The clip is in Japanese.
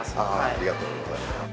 ありがとうございます。